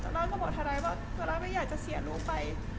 ซาร่ากก็บอกทารายว่าซาร่ากไม่อยากจะเสียลูกไป